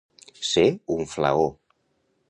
Ser un flaó.